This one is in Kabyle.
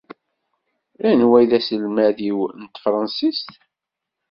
Anwa i d aselmad-im n tefransist?